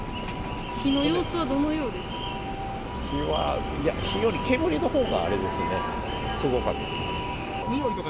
火の様子はどのようでしたか？